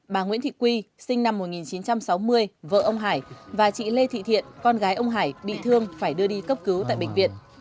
bà nguyễn thị quy sinh năm một nghìn chín trăm sáu mươi vợ ông hải và chị lê thị thiện con gái ông hải bị thương phải đưa đi cấp cứu tại bệnh viện